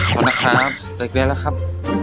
ขออนุญาตครับสเต็กนี้แหละครับ